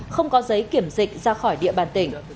không có giấy kiểm dịch ra khỏi địa bàn tỉnh